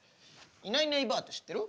いないいないばあって知ってる？